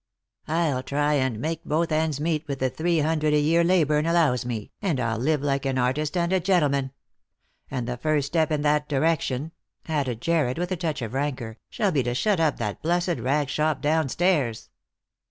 I'll try and make both ends meet with the three hundred a year Ley burn e allows me, and I'll live like an artist and a gentleman. And the first step in that direction," added Jarred, with a touch of rancour, " shall be to shut up that blessed rag shop down stairs."